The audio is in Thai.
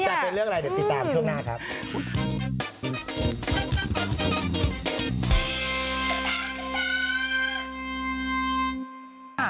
จะเป็นเรื่องอะไรเดี๋ยวติดตามช่วงหน้าครับ